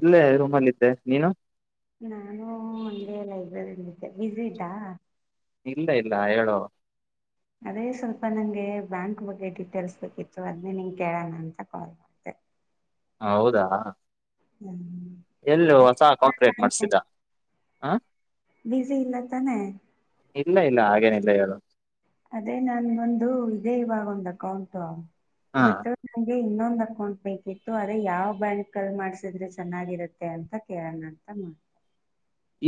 ಇಲ್ಲೇ ರೂಮಲ್ಲಿದ್ದೆ ನೀನು? ನಾನು ಒಂದೇ ಲೈಬ್ರರಿಲ್ಲಿದ್ದ ಬಿಸಿ ಇದ್ದಾ? ಇಲ್ಲ ಇಲ್ಲ ಹೇಳು ಅದೇ ಸ್ವಲ್ಪ ನಂಗೆ ಬ್ಯಾಂಕ್ ಬಗ್ಗೆ ಡೀಟೇಲ್ಸ್ ಬೇಕಿತ್ತು ಅದನ್ನೇ ನಿಂಗ್ ಕೇಳೋಣ ಅಂತ ಕಾಲ್ ಮಾಡ್ದೇ. ಹ ಹೌದಾ ಹ್ಮ್ ಎಲ್ಲೋ ಹೊಸ ಇಲ್ಲ ಕಾಂಟ್ರೇಟ್ ಮಾಡ್ಸಿದ? ಆ ಬಿಸಿ ಇಲ್ಲ ತಾನೆ ಇಲ್ಲ ಇಲ್ಲ ಹಾಗೇನಿಲ್ಲ ಹೇಳು ಅದೇ ನನ್ಗೊಂದು ಇದೇ ಇವಾಗೊಂದ್ ಅಕೌಂಟು. ಹಾ ಬಟ್ ನಂಗೆ ಇನ್ನೊಂದ್ ಅಕೌಂಟ್ ಬೇಕಿತ್ತು ಅದೇ ಯಾವ ಬ್ಯಾಂಕಲ್ ಮಾಡ್ಸಿದ್ರೆ ಚೆನ್ನಾಗಿರತ್ತೆ ಅಂತ ಕೇಳೋಣ ಅಂತ ಮಾಡ್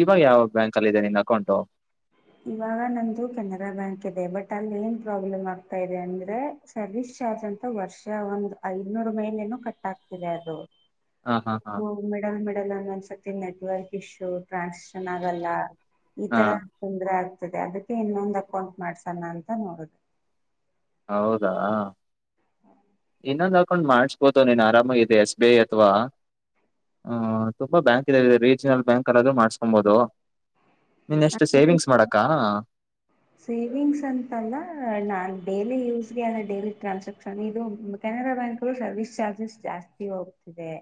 ಇವಾಗ ಯಾವ ಬ್ಯಾಂಕ್ ಅಲ್ಲಿ ಇದೆ ನಿನ್ ಅಕೌಂಟು? ಇವಾಗ ನಂದು ಕೆನರಾ ಬ್ಯಾಂಕ್ ಇದೆ ಬಟ್ ಅಲ್ಲಿ ಏನ್ ಪ್ರಾಬ್ಲಮ್ ಆಗ್ತಾ ಇದೆ ಅಂದ್ರೆ ಸರ್ವಿಸ್ ಚಾರ್ಜ್ ಅಂತ ವರ್ಷ ಒಂದ್ ಐದ್ನೂರು ಮೇಲೇನೋ ಕಟ್ ಆಗ್ತಿದೆ ಅದು. ಹಾ ಹಾ ಹಾ ಹ್ಮ ಮಿಡಲ್ ಮಿಡಲ್ ಅನ್ ಅನ್ಸು ತ್ತೆ ನೆಟ್ವರ್ಕ್ ಇಶ್ಯು ಟ್ರಾಸ್ ಚೆನ್ನಾಗಲ್ಲ ಈ ಹಾ ತರ. ತೊಂದ್ರೆ ಆಗ್ತಿದೆ ಅದಕ್ಕೆ ಇನ್ನೊಂದ್ ಅಕೌಂಟ್ ಮಾಡ್ಸೋಣ ಅಂತ ನೋಡೋದು. ಹೌದಾ. ಇನ್ನೊಂದ್ ಹಾಕೊಂಡ್ ಮಾಡ್ಸ್ಬಹದು ನೀನ್ ಆರಾಮ ಆಗಿ ಇದು ಎಸ್ ಬಿ ಐ ಅಥವಾ ತುಂಬಾ ಬ್ಯಾಂಕ್ ಇದೆ ರೀಜನಲ್ ಬ್ಯಾಂಕ್ ಅದೂ ಮಾಡ್ ಹಂಬೋದು ನಿನ್ನ ನೆಕ್ಸ್ಟ್ ಅಂದ್ರೆ ಸೇವಿಂಗ್ಸ್ ಮಾಡಕ್ಕ. ಸೇವಿಂಗ್ಸ್ ಅಂತಲ್ಲ ನಾನ್ ಡೇಲಿ ಯೂಸ್ಗೆ ಅಲ್ಲ ಡೇಲಿ ಟ್ರಾನ್ಸಾಕ್ಷನ್ ಇದು ಕೆನರಾ ಬ್ಯಾಂಕಲ್ಲಿ ಸರ್ವಿಸ್ ಚಾರ್ಜಸ್ ಜಾಸ್ತಿ ಹೋಗ್ತಿದೆ.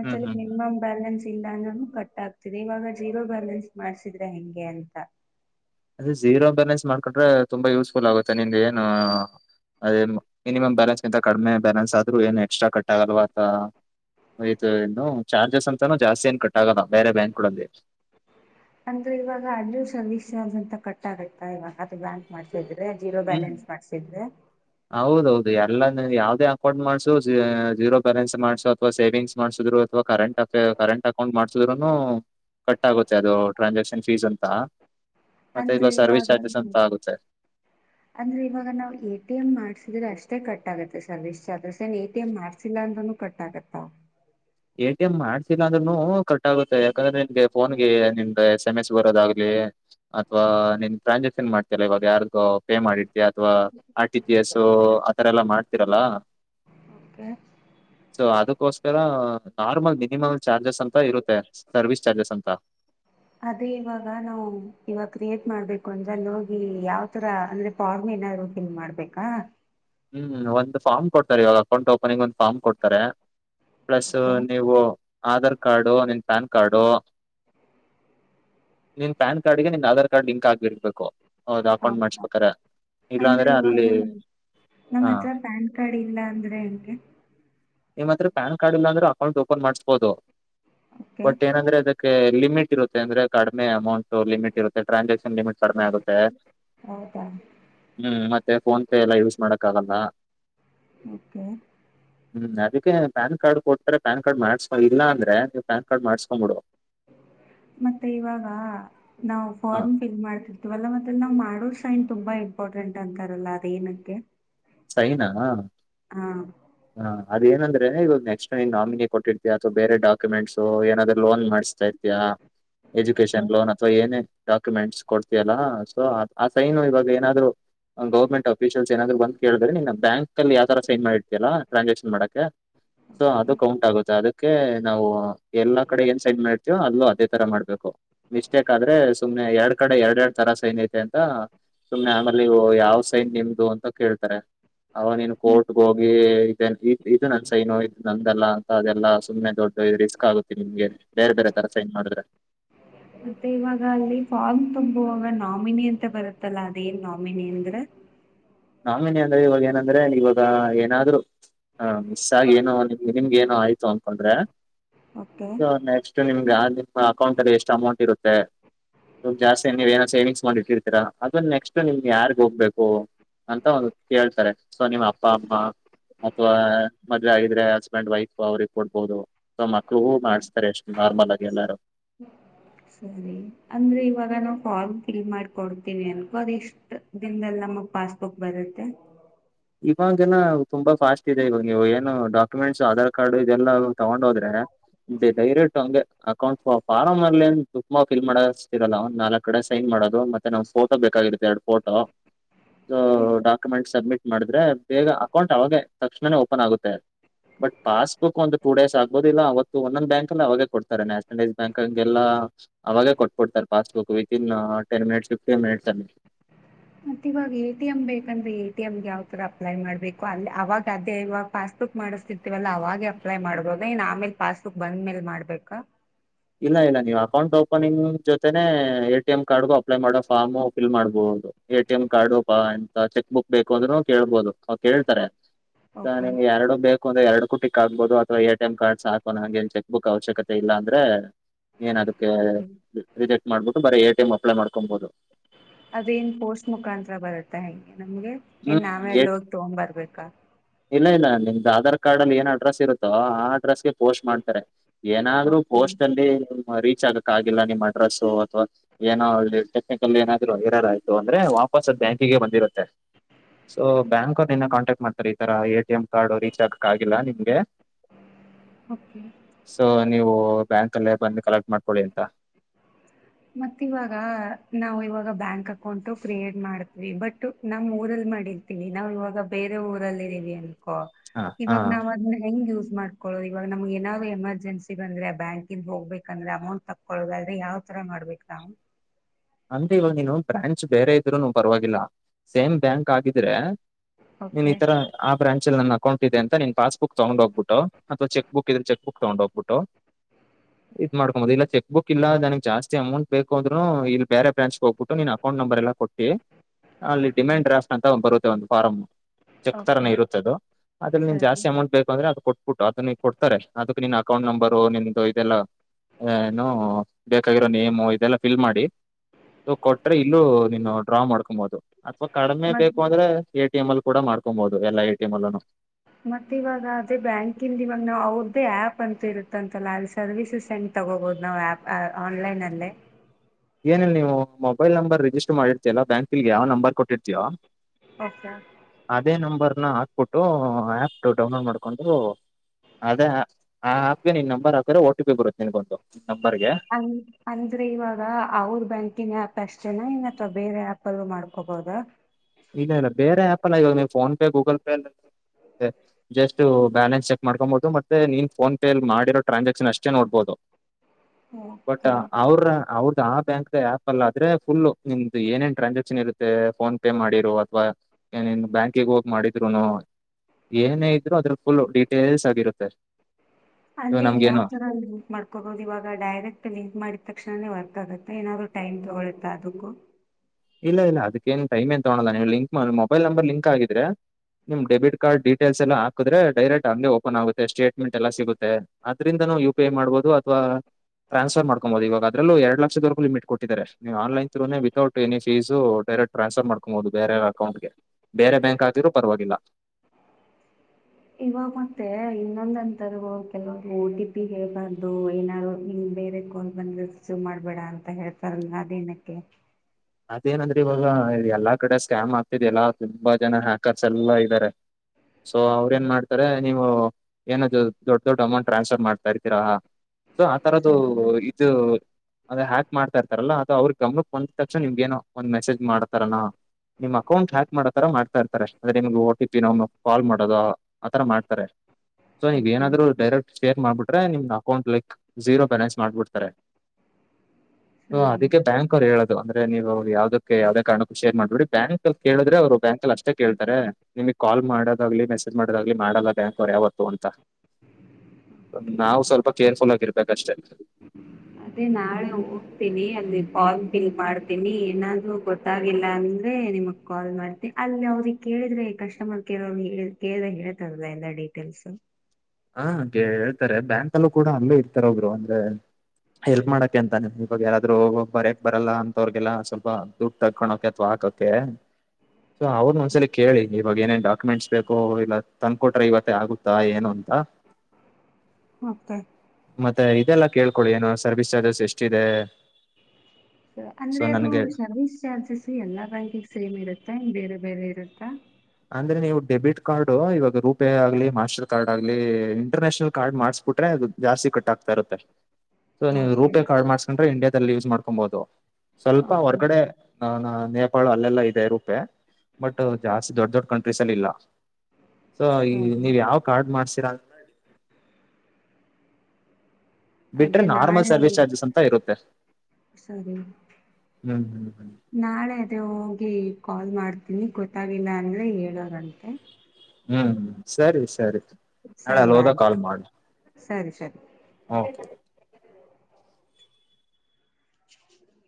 ಮತ್ತ ಹ್ಮ್ ಅಲ್ಲಿ ಹ್ಮ್ ಹ್ಮ್ ಮಿನಿಮಮ್ ಬ್ಯಾಲೆನ್ಸ್- ಇಲ್ಲ ಅಂದು ಕಟ್ ಆಗ್ತಿದೆ ಇವಾಗ ಜೀರೋ ಬ್ಯಾಲೆನ್ಸ್ ಮಾಡ್ಸಿದ್ರೆ ಹೆಂಗೆ ಅಂತ. ಅದೇ ಜೀರೋ ಬ್ಯಾಲೆನ್ಸ್ ಮಾಡಕೊಂಡ್ರೆ ತುಂಬಾ ಯೂಸ್ಫುಲ್ ಆಗುತ್ತೆ ನಿಂಗೆ ಏನು ಅದೇ ಮಿನಿಮಮ್ ಬ್ಯಾಲೆನ್ಸ್ಗಿಂತ ಕಡಿಮೆ ಬ್ಯಾಲೆನ್ಸ್ ಆದ್ರೂ ಏನು ಎಕ್ಸ್ಟ್ರಾ ಕಟ್ಟಾಗಲ್ವಾ ಅ ಇ ಇನ್ನು ಚಾರ್ಜಸ್ ಅಂತಾನೂ ಜಾಸ್ತಿ ಏನು ಕಟ್ಟಾಗಲ್ಲ ಬೇರೆ ಬ್ಯಾಂಕ್ಗಳಲ್ಲಿ. ಅಂದ್ರೆ ಇವಾಗ ಹಡ್ ಸರ್ವಿಸ್ ಚಾರ್ಜ್ ಅಂತ ಕಟ್ಟಾಗತ್ತ ಇವಾಗ ಅದು ಬ್ಯಾಂಕ್ ಮಾಡ್ಸಿದ್ರೆ. ಜೀರೋ ಹ್ಮ್ ಬ್ಯಾಲೆನ್ಸ್ ಮಾಡ್ಸಿದ್ರೆ. ಅದು ಎಲ್ಲ ಯಾವ್ದೇ ಅಕೌಂಟ್ ಮಾಡ್ಸು ಜೀರೋ ಬ್ಯಾಲೆನ್ಸ್ ಮಾಡ್ಸೋ ಅಥವಾ ಸೇವಿಂಗ್ಸ್ ಮಾಡ್ಸಿದ್ರು ಅಥವಾ ಕರೆಂಟ್ ಅ ಕರೆಂಟ್ ಅಕೌಂಟ್ ಮಾಡಸಿದ್ರುನು ಕಟ್ ಆಗುತ್ತೆ ಅದು ಟ್ರಾನ್ಸಾಕ್ಷನ್ ಫೀಸ್ ಅಂತ. ಮತ್ತೆ ಈಗ ಅಂದ್ರೆ ಸರ್ವಿಸ್ ಚಾರ್ಜಸ್ ಇವಾಗ ಅಂತ ಆಗುತ್ತೆ. ಅಂದ್ರೆ ಇವಾಗ ನಾವ್ ಎ ಟಿ ಎಂ ಮಾಡ್ಸಿದ್ರೆ ಅಷ್ಟೇ ಕಟ್ ಆಗತ್ತ ಸರ್ವಿಸ್ ಚಾರ್ಜಸ್ ಏನ್ ಎ ಟಿ ಎಂ ಮಾಡ್ಸಿಲ್ಲ ಅಂದ್ರನು ಕಟ್ ಆಗುತ್ತಾ. ಎ ಟಿ ಎಂ ಮಾಡ್ಸಿಲ್ಲ ಅಂದ್ರೂ ಕಟ್ಟ ಆಗುತ್ತೆ ಯಾಕಂದ್ರೆ ನಿನ್ಗೆ ಫೋನ್ಗೆ ನಿಮ್ದ ಎಸ್ ಏಮ್ ಎಸ್ ಬರೋದಾಗ್ಲಿ. ಅಥವಾ ನಿನ್ ಟ್ರಾನ್ಸಾಕ್ಷನ್ ಮಾಡ್ ಇವಾಗ ಯಾರ್ದು ಪೇ ಮಾಡಿ ಅಥವಾ ಆರ್ ಟಿ ಪಿ ಎಸ್ ಆ ತರ ಎಲ್ಲ ಮಾಡ- ಮಾಡ್ತಾರಲ್ಲ. ಓಕೆ ಸೊ ಅದಕೋಸ್- ಸರ. Normal minimum. ಚಾರ್ಜಸ್ ಅಂತ ಇರುತ್ತೆ ಸರ್ವಿಸ್ ಚಾರ್ಜಸ್ ಅಂತ. ಅದೇ ಇವಾಗ ನಾವು ಇವಾಗ ಕ್ರಿಯೇಟ್ ಮಾಡ್ಬೇಕು ಅಂದ್ರೆ ಅಲ್ಲಿ ಹೋಗಿ ಯಾವ್ತರ ಅಂದ್ರೆ ಫಾರ್ಮ್ ಏನಾದ್ರೂ ಫಿಲ್ ಮಾಡ್ಬೇಕಾ. ಹ್ಮ್ ಒಂದು ಫಾರ್ಮ್ ಕೊಡ್ತಾರೆ ಇವಾಗ ಅಕೌಂಟ್ ಓಪನಿಂಗ್ ಒಂದ್ ಫಾರ್ಮ್ ಕೊಡ್ತಾರೆ. ಪ್ಲಸ್ ಓಕೆ ನೀವು. ಆಧಾರ್ ಕಾರ್ಡು ನಿನ್ ಪ್ಯಾನ್ ಕಾರ್ಡು ನಿನ್ ಪ್ಯಾನ್ ಕಾರ್ಡ್ಗೆ ನಿನ್ ಆಧಾರ್ ಕಾರ್ಡ್ ಲಿಂಕ್ ಆಗ್ಬಿರ್ಬೇಕು. ಹೌದ ಅಕೌಂಟ್ ಹೌದಾ ಮಾಡ್ಸ್ಬೇಕಾರ ಇಲ್ಲ ಅಂದ್ರೆ ಅಲ್ಲಿ. ನಮ್ಮ ಹ ಹತ್ರ ಪ್ಯಾನ್ ಕಾರ್ಡ್ ಇಲ್ಲ ಅಂದ್ರೆ ಹೆಂಗೆ. ನಿಮ್ಮತ್ರ ಪ್ಯಾನ್ ಕಾರ್ಡ್ ಇಲ್ಲಾ ಅಂದ್ರೆ ಅಕೌಂಟ್ ಓಪನ್ ಮಾಡಸ್ಬೋದು. ಓಕೆ ಬಟ್ ಏನಂದ್ರೆ ಅದಕ್ಕೆ. ಲೀಮಿಟ್ ಇರುತ್ತೆ ಅಂದ್ರ ಕಡಿಮೆ ಅಮೌಂಟ್ ಲೀಮಿಟ್ ಇರುತ್ತೆ ಟ್ರಾನ್ಸಾಕ್ಷನ್ ಲಿಮಿಟ್. ಕಡಿಮೆ ಆಗುತ್ತೆ ಹೌದಾ ಹ್ಮ್ ಮತ್ತೆ. ಫೋನ್ ಎಲ್ಲ [unintelligible] ಮಾಡಕ್ಕಾಗಲ್ಲ ಓಕೆ ಹ್ಮ್ ಅದಕ್ಕೆ ಪ್ಯಾನ್ ಕಾರ್ಡ್ ಕೊಡ್ತರೆ ಪ್ಯಾನ್ ಕಾರ್ಡ್ ಮಾಡ್ಸ್ಕ ಇಲ್ಲ ಅಂದ್ರೆ ಪ್ಯಾನ್ ಕಾರ್ಡ್ ಮಾಡ್ಸ್ಕೊಬಿಡು ಮತ್ತೆ ಇವಾಗ ನಾವು ಹ ಫಾರ್ಮ್ ಫಿಲ್ ಮಾಡ್ತಿರ್ತವಲ್ಲ ಮತ್ತೆ ನಾವ್ ಮಾಡ್ ಸೈನ್ ತುಂಬಾ ಇಂಪಾರ್ಟೆಂಟ್ ಅಂತಾರಲ್ಲ ಅದ ಏನಕ್ಕೆ ಸೈನಾ ಹಾ ಅದೇಏನಂದ್ರೆವಾಗ ನೆಕ್ಸ್ಟ್ಟ ನಾಮಿನಿಬಗೆ ಅಥವಾ ಬೇರೆಡಾಕ್ಯುಮೆಂಟ್ಸ ಏನಾದ್ರ ಲೋನ್ ಮಾಡ್ಸ ಸತ್ಯ ಓಕೆ ಎಜುಕೇಶನ್ ಲೋನ್ ಅಥವಾ ಏನೇ ಕಮೆಂಟ್ಸ್ ಕೊಡ್ತಿಯಲ್ಲಾ ಸೊ ಆ ಸೈನು ಇವಾಗ ಏನಾದ್ರು ಗೌರಮೆಂರ್ಟ್ಸ ಆಫಿಸಿಯಲ್ಸ್ಏನಾದ್ರು ಬಂದ ಕೇಳಿದ್ರೆ ನೀನ್ ಬ್ಯಾಂಕ್ ಅಲ್ಲಿ ಯಾವ ತರ ಸೈನ್ ಮಾಡಿರ್ತೀಯಲ್ಲ ಟ್ರಾನ್ಸಾಕ್ಷನ್ ಮಾಡಕ್ಕೆ ಸೊ ಅದು ಓಕೆ ಕೌಂಟ್ ಆಗುತ್ತೆ ಅದಕ್ಕೆ ಓಕೆ ನಾವು ಎಲ್ಲಾ ಕಡೆ ಏನ್ ಸೈನ್ ಮಾಡಿರ್ತೀವೋ ಅಲ್ಲೂ ಅದೇ ತರ ಮಾಡ್ಬೇಕು ಮಿಸ್ಟೇಕ್ ಆದ್ರೆ ಸುಮ್ನೆ ಎರಡ್ ಕಡೆ ಎರಡ್ ಎರಡ್ ತರ ಸೈನ್ ಐತೆ ಅಂತ ಸುಮ್ಮನೆ ಆಮೇಲೆ ಯಾವ ಸೈನನಿಮ್ದು ಅಂತ ಕೇಳ್ ಸ [unintelligible] ಅವ ನೀನ್ ಕೋರ್ಟ್ಗ ಹೋಗಿ ಇದ ಇ ಇದು ನನ್ ಸೈನುದು ನಂದಲ್ಲ ಅಂತ ಅದೆಲ್ಲ ಸುಮ್ಮನೆ ದೊಡ್ಡ ಇ ರಿಸ್ಕ್ ಆಗುತ್ತೆ ನಿಮ್ಗೆ ಬೇರೆ ಬೇರೆ ತರ ಸೈನ್ ಮಾಡಿದ್ರೆ ಮತ್ತೆ ಇವಾಗ ಅಲ್ಲಿ ಫಾರ್ಮ್ ತುಂಬುವಾಗ ನಾಮಿನಿ ಅಂತ ಬರುತ್ತಲ್ಲಾ ಅದ ಏನ್ ನಾಮಿನಿ ಅಂದ್ರ ನಾಮಿನಿ ಅಂದ್ರೆ ಇವಾಗ ಏನಂದ್ರೆ ಇವಾಗ ಏನಾದ್ರು ಹಾ ಮಿಸ್ ಆಗಿ ಏನೋ ನಿಮ್ಗೆ ಏನು ಹಾ ಆಯ್ತು ಅನ್ಕೊಂಡ್ರೆ ಓಕೆ ಹ ನೆಕ್ಸ್ಟ್ ನಿಮ್ದ ಯ ನಿಮ್ಮ ಅಕೌಂಟ್ ಅಲ್ಲಿ ಎಷ್ಟು ಅಮೌಂಟ್ ಇರುತ್ತೆ ಜಾಸ್ತಿ ನೀನ್ ಏನೋ ಸೇವಿಂಗ್ಸಮಾಡಿ ಇಟ್ಟಿರ್ತೀರಾ ಅದ ನೆಕ್ಸ್ಟ್ ಟೈಮ್ ನಿಮ್ಗೆ ಯಾರ್ಗ್ ಹೋಗ್ಬೇಕು ಅಂತ ಒಂದು ಕೇಳ್ತಾರೆ ಸೊ ನಿಮ್ಮ್ ಅಪ್ಪ ಅಮ್ಮ ಅಥವಾ ಮದ್ವೆ ಆಗಿದ್ರೆ ಹಸ್ಬೆಂಡ್ ವೈಫ್ ಅವ್ರಗ್ ಕೊಡ್ಬೋದು ಸೊ ಮಕ್ಳಗೂ ಮಾಡಿಸ್ತಾರೆ ಎಷ್ಟು ನಾರ್ಮಲ್ ಆಗಿ ಎಲ್ಲಾರು ಸರಿ ಅಂದ್ರೆ ಇವಾಗ ನಾವು ಫಾರ್ಮ್ ಫಿಲ್ ಮಾಡಕೊಡ್ತೀವಿ ಅನ್ಕೋ ಅದ ಇಷ್ಟ ದಿನದಲ್ಲಿ ನಮ್ಗೆ ಪಾಸ್ಬುಕ್ ಬರುತ್ತೆ ಇವಾಗನ ತುಂಬಾ ಫಾಸ್ಟ್ ಇದೆ ಇವಾಗ ನೀವು ಏನು ಡಾಕ್ಯುಮೆಂಟ್ಸ್ ಆಧಾರ್ ಕಾರ್ಡ್ ಇದೆಲ್ಲಾ ತಗೊಂಡ್ ಹೋದ್ರೆ ಇದಡೈರ್ಯಟ್ಟು ಅಂಗೆ ಅಕೌಂಟ್ ಫಾರ್ಮ್ ಅಲ್ಲಿ ಏನ್ ದುಕ್ಮ ಫಿಲ್ ಮಾಡತಿರಲ್ಲ ಒ್ ನಾಲ್ಕ್ ಕಡೆ ಸೈನ್ ಮಾಡೋದು ಮತ್ತೆ ನಮ್ ಫೋಟೋ ಬೇಕಾಗಿರುತ್ತೆ ಎರಡು ಫೋಟೋ ಹಾಹಾಡಾಕ್ಯುಮೆಂಟ್ ಸಬ್ಮಿಟ್ ಮಾಡಿದ್ರೆ ಬೇಗ ಅಕೌಂಟ್ ಅವಾಗೆ ತಕ್ಷಣನೇ ಓಪನ್ ಆಗುತ್ತೆ ಬಟ್ ಪಾಸ್ಟ್ ಕ್ ಒಂದು ಟುಡೇಸ್ ಆಗ್ಬೋದಲ್ಲಅವತೆ ಒಂದೊಂದ್ ಬ್ಯಾಂಕ್ ಅಲ್ಲಿ ಅವಾಗೆ ಕೊಡ್ತಾರೆ ನ್ಯಾಷನಲೈಸ್ಡ್ ಬ್ಯಾಂಕ್ಗೆಲ್ಲ ಅವಾಗೆ ಕೊಟ್ ಕೊಡ್ತಾರೆ passbook within ten minutes fifteen minutes ಅಲ್ಲಿ. ಮತ್ತ ಇವಾಗ ಎ ಟಿ ಎಂ ಬೇಕಂದ್ರೆ ಎ ಟಿ ಎಂ ಗೆ ಯಾವ್ತರ ಅಪ್ಲೈ ಮಾಡ್ಬೇಕು ಅಲ್ಲಿ ಅವಾಗ ಅದೇ ಇವಾಗ ಪಾಸ್ಬುಕ್ ಮಾಡಸ್ತಿರ್ತಿವಲ್ಲ ಅವಾಗೆ ಅಪ್ಲೈ ಮಾಡ್ಬೋದ ಏನ್ ಆಮೇಲೆ ಪಾಸ್ಬುಕ್ ಬಂದ್ಮೇಲ್ ಮಾಡ್ಬೇಕಾ? ಇಲ್ಲ ಇಲ್ಲ ನೀವು ಅಕೌಂಟ್ ಓಪನಿಂಗ್ ಜೊತೆನೆ ಎ ಟಿ ಎಂ ಕಾರ್ಡ್ಗೂ ಅಪ್ಲೈ ಮಾಡೋ ಫಾರ್ಮು ಫಿಲ್ ಮಾಡ್ಬೋದು ಎ ಟಿ ಎಂ ಕಾರ್ಡ್ ಪ ಎಂತ ಚೆಕ್ ಬುಕ್ ಬೇಕು ಅಂದ್ರೂ ಕೇಳ್ಬೋದು. ಹ ಕೇಳ್ತಾರೆ ಆ ಓಕೆ ನಿಂಗ್ ಎರಡು ಬೇಕ್ ಎರಡಕ್ಕೂ ಟಿಕ್ ಹಾಕ್ಬೋದು ಏ ಟಿ ಎಂ ಕಾರ್ಡ್ ಸಾಕು ನನಗೆನ್ ಚೆಕ್ ಬುಕ್ ಅವಶ್ಯಕತೆ ಇಲ್ಲ ಅಂದ್ರೆ ಏನ ಅದುಕ್ಕೆ ಸರಿ. ರಿಜೆಕ್ಟ್ ಮಾಡ್ಬಿಟ್ಟು ಬರಿ ಎ ಟಿ ಎಂ ಪ್ಲೆ ಮಾಡ್ಕೊಂಬೋದು. ಅದೇನ್ ಪೋಸ್ಟ್ ಮುಖಾಂತರ ಬರ ತ್ತಾ ಹೆಂಗೆ? ನಮ್ಗೆ ಏನ್ ಹ್ಮ್ ನಾವೇ ಎ ಅಲ್ ಹೋಗ್ ತಗೊಂಡ್ ಬರ್ಬೇಕಾ? ಇಲ್ಲ ಇಲ್ಲ ನಿಮ್ದು ಆಧಾರ್ ಕಾರ್ಡ್ ಅಲ್ಲಿ ಏನ್ ಅಡ್ರೆಸ್ ಇರುತ್ತೋ ಆ ಅಡ್ರಸ್ಗೆ ಪೋಸ್ಟ್ ಮಾಡ್ತಾರೆ. ಏನಾದ್ರು ಓಕೆ ಪೋಸ್ಟಲ್ಲಿ ರೀಚ್ ಆಗಕ್ ಆಗಿಲ್ಲ ನಿಮ್ಮ್ ಅಡ್ರಸ್ಸು ಅಥವಾ ಏನೋ ಟೆಕ್ನಿಕಲ್ ಏನಾದ್ರು ಏರರ್ ಆಯ್ತು ಅಂದ್ರೆ ವಾಪಸ್ ಅದು ಬ್ಯಾಂಕಿಗೆ ಬಂದಿರುತ್ತೆ. ಸೊ ಬ್ಯಾಂಕವ್ರ್ ನಿನ್ನ ಕಾಂಟ್ಯಾಕ್ಟ್ ಮಾಡ್ತಾರೆ ಈ ತರ A T M card reach ಆಗಕ್ ಆಗಿಲ್ಲ ನಿಮ್ಗೆ ಓಕೆ ಸೊ ನೀವು ಬ್ಯಾಂಕಲ್ಲೇ ಬಂದು ಕಲೆಕ್ಟ್ ಮಾಡ್ಕೊಳ್ಳಿ ಅಂತ. ಮತ್ ಇವಾಗ ನಾವ್ ಇವಾಗ ಬ್ಯಾಂಕ್ ಅಕೌಂಟು ಫ್ರೀ ಎಡ್ ಮಾಡ್ತೀವಿ ಬಟ್ ನಮ್ ಊರಲ್ಲಿ ಮಾಡಿರ್ತೀವಿ ನಾವ್ ಇವಾಗ ಬೇರೆ ಊರಲ್ಲಿ ಇದೀವಿ ಅನ್ ಕೊ ಹ ಹ ಇವಾಗ ನಾವ್ ಅದ್ನ ಹೆಂಗ್ ಯೂಸ್ ಮಾಡ್ಕೊಳ್ಳೋದು ಇವಾಗ್ ನಮಗೆ ಏನಾದ್ರು ಎಮರ್ಜನ್ಸಿ ಬಂದ್ರೆ ಬ್ಯಾಂಕಿಂದ ಹೋಗ್ಬೇಕಂದ್ರೆ ಅಮೌಂಟ್ ತೊಕೊಳ್ಳುದಾದ್ರೆ ಯಾವ್ ಹತ್ರ ಮಾಡ್ಬೇಕ್ ನಾವು. ಅಂದೆ ಇವಾಗ ನೀನು ಬ್ರ್ಯಾಂಚ್ ಬೇರೆ ಇದ್ರುನು ಪರವಾಗಿಲ್ಲ ಸೇಮ್ ಬ್ಯಾಂಕ್ ಆಗಿದ್ರೆ ನೀನ್ ಓಕೆ ಇತರ ಆ ಬ್ರಾನ್ ಚಲ್ ನನ್ನ ಅಕೌಂಟ್ ಇದೆ ಅಂತ ನೀನ್ ಪಾಸ್ ಬುಕ್ ತೊಗೊಂಡ್ ಹೋಗಬಿಟ್ಟ ಅಥವಾ ಚೆಕ್ ಬುಕ್ ಇದ್ರೆ ಚೆಕ್ ಬುಕ್ ತಗೊಂಡ್ ಹೋಗ್ಬಿಟ್ಟು ಇದ್ ಮಾಡ್ಕೊಂಬೋದು ಇಲ್ಲ ಚೆಕ್ ಬುಕ್ ಇಲ್ಲ ನನಗ್ ಜಾಸ್ತಿ ಅಮೌಂಟ್ ಬೇಕು ಅಂದ್ರು ಇಲ್ ಬೇರೆ ಬ್ರಾಂಚ್ಗೆ ಹೋಗ್ಬಿಟ್ಟು ನೀನ್ ಅಕೌಂಟ್ ನಂಬರ್ ಎಲ್ಲ ಕೊಟ್ಟಿ ಅಲ್ಲಿ ಡಿಮ್ಯಾಂಡ್ ಡ್ರಾಫ್ಟ್ ಅಂತ ಒಂದ್ ಬರುತ್ತೆ ಒಂದು ಫಾರ್ಮ್ ಚಕ್ ಓಕೆ ತರಾನೆ ಇರುತ್ತೆ ಅದು ಅದ್ರಲ್ಲಿ ನೀನ್ ಸರಿ ಜಾಸ್ತಿ ಅಮೌಂಟ್ ಬೇಕು ಅಂದ್ರೆ ಅದು ಕೊಟ್ ಟ್ಟು ಅದ ನೀ ಕೊಡ್ತಾರೆ ಅದಕ್ ನಿನ್ನ ಅಕೌಂಟ್ ನಂಬರು ನಿಮ್ದು ಇದೆಲ್ಲಾ ಏನು ಬೇಕಾಗಿರೋ ನೇಮು ಇದೆಲ್ಲ ಫಿಲ್ ಮಾಡಿ. ಕೊಟ್ರೆ ಇಲ್ಲೂ ನೀನು ಡ್ರಾ ಮಾಡ್ಕೊಂಬೋದು. ಅಥವಾ ಕಡಿಮೆ ಮತ್ ಬೇಕು ಅಂದ್ರೆ ಎ ಟಿ ಎಂ ಅಲ್ ಕೂಡ ಮಾಡ್ಕೊಂಬೋದು ಎಲ್ಲ ಎ ಟಿ ಎಂ ಅಲ್ಲೂನು. ಮತ್ತ ಇವಾಗ ಅದೇ ಬ್ಯಾಂಕಿಂದ್ ಇವಾಗ ನಾವು ಅವ್ರ್ ದ್ದೇ ಆ್ಯಪ್ ಅಂತೂ ಇರುತ್ತಂತಲ್ಲ ಅಲ್ಲಿ ಸರ್ವೀಸಸ್ ಹೆಂಗ್ ತಗೋಬೋದು ನಾವು ಆ್ಯಪ್ ಆನ್ಲೈನಲ್ಲೇ? ಏನಿಲ್ಲ ನೀವು ಮೊಬೈಲ್ ನಂಬರ್ ರಿಜಿಸ್ಟರ್ ಮಾಡಿರ್ತೀಯಲ್ಲ ಬ್ಯಾಂಕಿಗ್ ಯಾವ್ ನಂಬರ್ ಕೊಟ್ಟಿರ್ತೀಯೋ ಓಕೆ ಅದೇ ನಂಬರ್ ಹಾಕ್ಬಿಟ್ಟು ಆಪ್ ಡೌನ್ಲೋಡ್ ಮಾಡ್ಕೊಂಡು ಅದೇ ಆ ಆ್ಯಪ್ಗೆ ನಿನ್ ನಂಬರ್ ಹಾಕಿದ್ರೆ ಒ ಟಿ ಪಿ ಬರುತ್ತೆ ನಿನ್ಗೊಂದು. ನಂಬರ್ಗೆ ಅನ್ ಅಂದ್ರೆ ಇವಾಗ ಅವ್ರ ಬ್ಯಾಂಕಿನ ಆ್ಯಪ್ ಅಷ್ಟೇನ ಇ ಏನ್ ಅಥವಾ ಬೇರೆ ಆ್ಯಪ್ ಅಲ್ಲೂ ಮಾಡ್ಕೋಬೋದ. ಇಲ್ಲ ಇಲ್ಲ ಬೇರೆ ಆ್ಯಪ್ ಎಲ್ಲ ಇವಾಗ ನೀವ್ ಫೋನ್ ಪೇ ಗೂಗಲ್ ಪೇ ಅಲ್ ಜಸ್ಟ್ ಬ್ಯಾಲೆನ್ಸ್ ಚೆಕ್ ಮಾಡ್ಕೊಂಬೋದು ಮತ್ತೆ ನೀನ್ ಫೋನ್ ಪೇಲ್ಲಿ ಮಾಡಿರೋ ಟ್ರಾನ್ಸಾಕ್ಷನ್ ಅಷ್ಟೇ ನೋಡ್ಬೋದು. But okay. ಅವ್ರ ಅವ್ರ್ ಆ ಬ್ಯಾಂಕ್ ಆ್ಯಪ್ ಅ ಆದ್ರ ಫುಲ್ ನಿಮ್ದು ಏನೇನ್ ಟ್ರಾನ್ಸಾಕ್ಷನ್ ಇರುತ್ತೆ ಫೋನ್ ಪೇ ಮಾಡಿರ ಅಥ್ವಾ ಏನನ್ ಬ್ಯಾಂಕಿಗೆ ಹೋಗಿ ಮಾಡಿದ್ರುನು ಏನೇ ಇದ್ರು ಅದ್ರ ಫುಲ್ ಡೀಟೇಲ್ಸ್ ಆಗಿರುತ್ತೆ ಇವಾಗ ಅಲ್ಲಿ ಯಾವ್ ನಮ್ಗೇನು ತರ ಲಿಂಕ್ ಮಾಡ್ಕೊೋದು ಇವಾಗ ಡೈರೆಕ್ಟ್ ಲಿಂಕ್ ಮಾಡಿದ ತಕ್ಷಣನೇ ಬರ್ು ಬಾಗತ್ತಾ ಏನಾದ್ರು ಟೈಮ್ ತಗೊಳ್ಳುತ್ತಾ ಅದಕ್ಕೂ ಇಲ್ಲ ಇಲ್ಲ ಅದಕ್ಕೇನ್ ಟೈಮ ಏನ್ ತಗೋಲ್ಲ ನೀವು ಲಿಂಕ್ ಮೊಬೈಲ್ ನಂಬರ್ ಲಿಂಕ್ ಆಗಿದ್ರೆ ನಿಮ್ ಡೆಬಿಟ್ ಕಾರ್ಡ್ ಡೀಟೇಲ್ಸ್ ಎಲ್ಲ ಹಾಕಿದ್ರೆ ಡೈರೆಕ್ಟ್ ಅೇ ಓಪನ್ ಆಗುತ್ತೆ ಸ್ಟೇಟ್ಮೆಂಟ್ ಎಲ್ಲ ಸಿಗುತ್ತೆ ಅದ್ರಿಂದನ ಯು ಪಿ ಐ ಮಾಡ್ಬೋದು ಅಥವಾ ಟ್ರಾಸ್ಫರ್ ಮಾಡಕೊಬೋದುವಾಗ ಅದಲ್ಲೂರಡು ಲಕ್ಷದವರೊ ಲಿಮಿಟ್ ಕೊಟ್ಟಿದ್ದಾರೆ ನೀವು ಆನ್ೈನ್ೂ without any fees direct transfer ಮಾಡ್ಕೊಬಹುದು ಬೇರೆ ಅಕೌಂಟ್ಗೆ ಬೇರೆ ಬ್ಯಾಂಕ್ ಆಗಿದರರು ಪರವಾಗಿಲ್ಲ ಇವಾಗ ಮತ್ತೆ ಇನ್ನೊಂದಂತರು ಕೆಲವರು ಓ ಟಿ ಪಿ ಹೇಬಾರ್ದು ಏನಾದ್ರು ಇನ್ ಬೇರೆ ಕಾಲ್ ಬಂದ್ರೆಚು್ ಮಾಡ್ಬೇಡ ಅಂತ ಹೇಳ್ತಾರ ಅದೇನಕ್ಕೆ ಅದೇನಂದ್ರೆ ಇವಾಗ ಎಲ್ಲಾ ಕಡೆ ಸ್ಕ್ಯಾಮ್ ಆಗ್ತಿದ ಎಲ್ಲಾ ತುಂಬಾ ಜನ ಹಾಕಸ ಎಲ್ಲ ಬೇರೆ ಸೊ ಅವ್ರ ಏನ್ ಮಾಡ್ತಾರೆ ನೀವು ಏನಾದ ದೊಡ್ಡ ದೊಡ್ಡ ಅಮೌಂಟ್ ಟ್ರಾನ್ಸ್ಫರ್ ಮಾಡ್ತಾ ಇರ್ತೀರಾ ಸೊ ಆ ತರದ್ದು ಸರಿ. ಇದು ಅದ ಹಾಕ್ ಮಾಡ್ತಾ ಇರ್ಾರಲ್ಲ ಅದು ಅವ್ರ ಗನಕ್ಕೆಂದ ತಕ್ಷಣ ನಿಮ್ಗೆೇನೋ ಒಂದ್ ಮೆಸೇಜ್ ಮಾಡತಾರ ನಿಮ್ ಅಕೌಂಟ್ ಹ್ಯಾಕ್ ಮಾಡೋತರ ಮಾಡ್ತಾ ಇತಾರೆ ಅಷ್ಟ ಅಂದ್ರೆ ನಿಮ್ O T P number call ಮಾಡೋದು ಆತರ ಮಾಡ್ತಾರೆ ಸೊ ಈಗ ಓಕೆ ಏನಾದ್ರು ಡೈರೆಕ್ಟ್ ಶೇರ್ ಮಾಡ್ಬಿಟ್ಟು ನಿಮ್ ಅಕೌಂಟ್ಲಿಕ್ ಜೀರೋ ಬ್ಯಾಲೆನ್ಸ್ ಮಾಡ್ಬಿಡ್ತಾರೆ ಹ ಸರಿ. ಅದಕ್ಕೆ ಬ್ಯಾಂಕ್ ಅವರು ಹೇಳಕ್ ಅಂದ್ರೆ ನೀವು್ರು ಯಾವ್ದದಕ್ಕೆ ಯಾವದ ಕಾರಣಕ್ಕೂ ಶೇರ್ ಮಾಡಬಿಡಿ ಬ್ಯಾನ್ ಕೇಳಿದ್ರೆ ಅವರು ಬ್ಯಾಂಕ ಅಷ್ಟೇ ಕೇಳ್ತಾರೆ ನಿಮ್ಗ್ ಕಾಲ್ ಮಾಡೋದಾಗ್ಲಿ ಮೆಸೇಜ್ ಮಾಡೋದಾಗ್ಲಿ ಮಾಡಲ್ಲ ಬ್ಯಾಂಕ್ ಅವರು ಯಾವತ್ತು ಅಂತ ಓಕೆ. ನಾವು ಸ್ವಲ್ಪ ಕೇರ ಫುಲ್ ಆಗಿರಬೇಕ್ ಸಾಕಷ್ಟೆ ಅದೇ ನಾಳೆ ಹೋಗ್ತೇನಿ ಅಲ್ಲಿ ಫಾರಲ್ ಫಿಲ್ ಮಾಡ್ತೀನಿ ಏನಾದ್ೂ ಗೊತ್ತಾಗಿಲ್ಲ ಅಂದ್ರೆ ನಿಮಗ್ ಕಾಲ್ ಮಾಡ್ತೀನಿ ಅಲ್ಲಿ ಅವ್ರಿಗೆ ಕೇಳಿದ್ರೆ ಕಸ್ಟಮರ್ ಕೇರ್ ಅವ ಕೇಳ್ರ ಹತಾರದ ಎಲ್ಲ ಡೀಟೇಲ್ಸ್ ಹಾ ಹೇಳ್ತಾರೆ ಬ್ಯಾಂಕ್ಲ್ಲೂ ಕೂಡ ಅಲ್ಲೂ ಇರ್ತಾರ ಒಬ್ರು ಅಂದ್ರೆ ಹೆಲ್ಪ್ ಮಾಡಕ ಅಂತಾನ ಇವಾಗ ಯಾರಾದ್ರು ಬರ್ಯಕ್ ಬರಲ್ಲ ಅಂತವ್ರಗೆಲ್ಲ ಸ್ವಲ್ಪ ದುಡ್ಡು ತಕಳಕೆ ಅಥವಾ ಹಾಕೋಕೆ ಸೊ ಅವ್ರನ್ನ ಒಂದ್ಸಲ ಕೇಳಿ ಇವಾಗ ಏನೇನ್ ಡಾಕ್ಯುಮೆಂಟ್ಸ್ ಬೇಕೋ ಇಲ್ಲ ತಂದ್ಕಟ್ರೆ ಇವತ್ತ ಆಗುತ್ತಾ ಏನು ತಾ ಮತ್ತೆ ಮತ್ತೆ ಇದೆಲ್ಲ ಕೇಳ್ಕೊಳ್ಳಿ ಏನು ಸರ್ವಿಸ್ ಚಾರ್ಜಸ್ ಎಷ್ಟಿದೆ ಸೊ ಅಂದ್ರೆ ಅದು ನನ್ಗೆ ಸರ್ವಿಸ್ ಚಾರ್ಜಸ್ ಎಲ್ಲಾ ಬ್ಯಾಂಕಿಗೆ ಸೇಮ್ ಇರುತ್ತೆ ಬೇರೆ ಬೇರೆ ಇರುತ್ತಾ ಅಂದ್ರೆ ನೀವು ಡೆಬಿಟ್ ಕಾರ್ಡು ಇವಾಗ ರೂಪೇ ಆಗ್ಲಿ ಮಾಸ್ಟರ್ ಕಾರ್ಡ್ ಆಗ್ಲಿ ಇಂಟರ್ನ್ಯಾಷನಲ್ ಕಾರ್ಡ್ ಮಾಡ್ಸ್ಬಿಟ್ರೆ ಅದು ಜಾಸ್ತಿ ಕಟ್ಕ್ತಾ ಇರುತ್ತೆ ಸೊ ನೀವು ಓಕೆ ರೂಪೇ ಕಾರ್ಡ್ ಮಾಡಸ್ಕೊಂಡ್ರೆ ಇಂಡಿಯಾ ಅಲ್ಲಿ ಯೂಸ್ ಮಾಡ್ಕೊಬೋಧು. ಸ್ವಲ್ಪ ಓಕೆ ಹೊರ್ಗಡೆ ನಾ ನಾ ನೇಪಾಳ ಅಲ್ಲೆಲ್ಲಾ - ಇರುತ್ತೆ ಬಟ್ ಜಾಸ್ತಿ ದೊಡ್ಡ. ದೊಡ್ಡ ಕಂಟ್ರೀಸ್ ಅಲ್ಲಿ ಇಲ್ಲ. ಸೊ ಈ ಈಗ ಸರಿ ನೀವ್ ಯಾವ ಕಾರ್ಡ್ ಮಾಡ್ಸ- ಮಾಡ್ಸಿರ್ತೀರ. ಬಿಟ್ರೆ ಅದೇ ನಾರ್ಮಲ್ ನಾಳೆ ಸರ್ವಿಸ್ ಹೋಗ್- ಚಾರ್ಜಸ್ ಅಂತ ಇರುತ್ತೆ. ಸರಿ ಹ್ಮ್ ಹ್ಮ್ ಹ್ಮ್ ನಾಳೆ ಅದೆ ಹೋಗಿ ಕಾಲ್ ಮಾಡ್ತೀನಿ ಗೊತ್ತಾಗಿಲ್ಲ ಅಂದ್ರೆ ಹೇಳೋರಂತೆ. ಹ್ಮ್ ಹ್ಮ ಸರಿ ಸರಿ ನಾಳೆ ಅಲ್ಲಿ ಸರಿ ಹೋದಾಗ ಕಾಲ್ ಆಯ್ತು ಮಾಡ. ಸರಿ ಸರಿ [inaudible]